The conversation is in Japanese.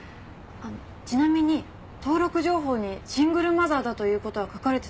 ちなみに登録情報にシングルマザーだという事は書かれてたんでしょうか？